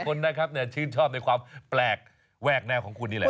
คนนะครับชื่นชอบในความแปลกแวกแนวของคุณนี่แหละ